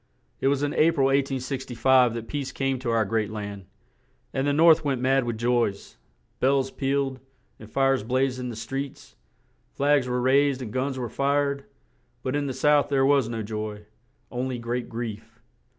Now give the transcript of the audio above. It was in A pril, 1865, that peace came to our great land; and the North went mad with joys; bells pealed, and fires blazed in the streets; flags were raised and guns were fired; but in the South there was no joy; on ly great grief.